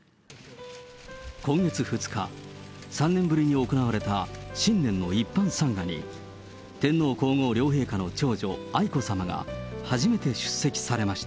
今月２日、３年ぶりに行われた新年の一般参賀に、天皇皇后両陛下の長女、愛子さまが初めて出席されました。